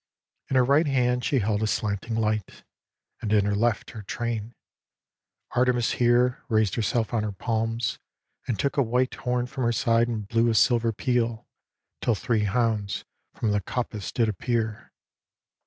In her right hand she held a slanting light. And in her left her train. Artemis here Raised herself on her palms, and took a white Horn from her side and blew a silver peal 'Til three hounds from the coppice did appear.